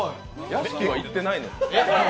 屋敷は行ってないのに。